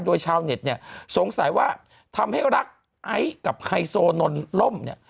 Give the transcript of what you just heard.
โดยชาวเน็ตเนี่ยสงสัยว่าทำให้รักไอซ์กับไฮโซนนล่มเนี่ย